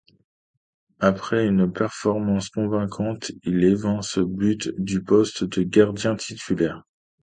Après une performance convaincante, il évince Butt du poste de gardien titulaire.